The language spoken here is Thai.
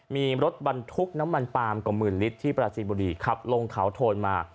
มีรถบรรทุกน้ำมันปาล์มกว่าหมื่นลิตรที่ปราจีบุรีขับลงเขาโทนมา